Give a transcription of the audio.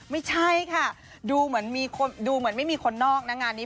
ไม่ใช่ค่ะดูเหมือนไม่มีคนนอกนะงานนี้